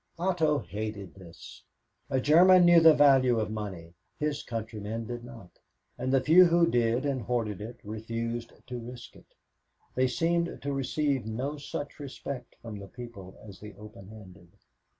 Otto hated this. A German knew the value of money his countrymen did not. And the few who did and hoarded it, refused to risk it they seemed to receive no such respect from the people as the open handed.